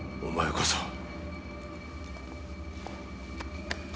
お前こそ。